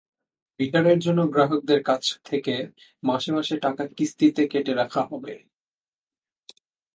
মিটারের জন্য গ্রাহকদের কাছ থেকে মাসে মাসে টাকা কিস্তিতে কেটে রাখা হবে।